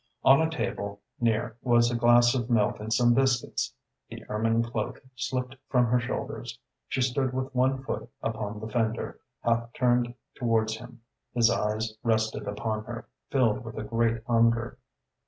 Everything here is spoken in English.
On a table near was a glass of milk and some biscuits. The ermine cloak slipped from her shoulders. She stood with one foot upon the fender, half turned towards him. His eyes rested upon her, filled with a great hunger.